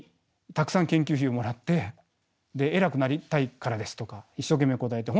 たくさん研究費をもらって偉くなりたいからですとか一生懸命答えて。